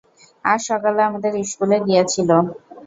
আজ সকালে আমাদের ইস্কুলে গিয়াছিল।